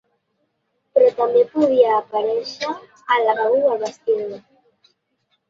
Però també podia aparèixer al lavabo o al vestidor.